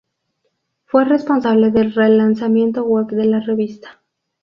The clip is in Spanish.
Fue responsable del relanzamiento web de la revista.